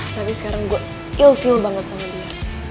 tapi sekarang gue ill feel banget sama dia